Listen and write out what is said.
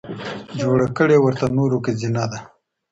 جوړه کړې ورته نورو که زينه ده